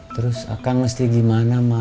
terus akang mesti gimana ma